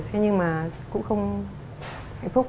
thế nhưng mà cũng không hạnh phúc